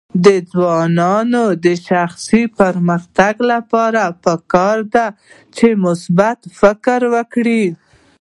د ځوانانو د شخصي پرمختګ لپاره پکار ده چې مثبت فکر وکړي.